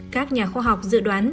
các nhà khoa học dự đoán